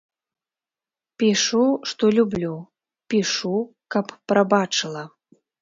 Пішу, што люблю, пішу, каб прабачыла.